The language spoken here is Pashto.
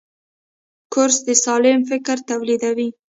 کورس د سالم فکر تولیدوي.